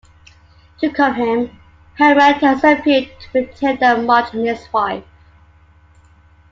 To cover him, Homer tells Apu to pretend that Marge is his wife.